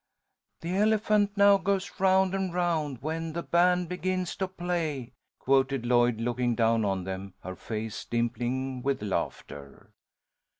"The elephant now goes round and round when the band begins to play," quoted Lloyd, looking down on them, her face dimpling with laughter.